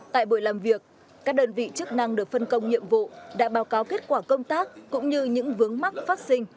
tại buổi làm việc các đơn vị chức năng được phân công nhiệm vụ đã báo cáo kết quả công tác cũng như những vướng mắc phát sinh